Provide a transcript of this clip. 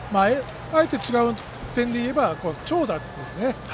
あえて違う点で言えば長打ですね。